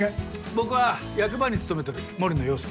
僕は役場に勤めとる森野洋輔。